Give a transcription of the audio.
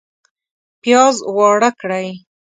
پیاز واړه کړئ